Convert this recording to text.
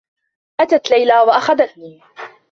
أتت ليلى و أخذتني.